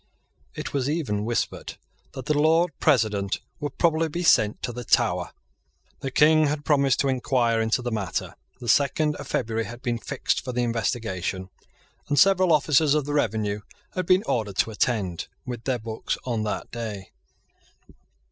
It was even whispered that the Lord President would probably be sent to the Tower. The King had promised to enquire into the matter. The second of February had been fixed for the investigation; and several officers of the revenue had been ordered to attend with their books on that day.